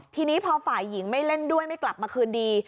ทีนี้พอฝ่ายหญิงไม่เล่นด้วยไม่กลับมาคืนดี